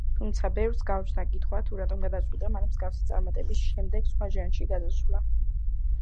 თუმცა ბევრს გაუჩნდა კითხვა თუ რატომ გადაწყვიტა მან მსგავსი წარმატების შემდეგ სხვა ჟანრში გადასვლა.